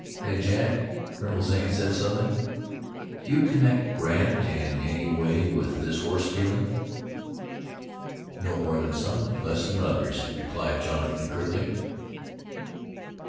"Say, Jack," Colonel Zane said suddenly, "do you connect Brandt in any way with this horse stealing?" "No more than some, an' less than others," replied Jonathan curtly.